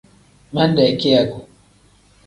Minde kiyaku.